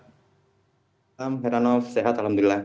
assalamualaikum heranov sehat alhamdulillah